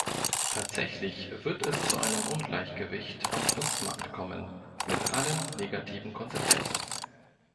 Tatsächlich wird es zu einem Ungleichgewicht am Kunstmarkt kommen mit allen negativen Konsequenzen.